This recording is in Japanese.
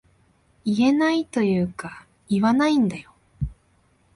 言えないというか言わないんだよ